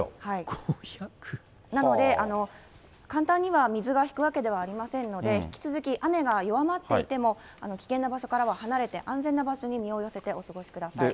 なので、簡単には水が引くわけではありませんので、引き続き雨が弱まっていても、危険な場所からは離れて、安全な場所に身を寄せてお過ごしください。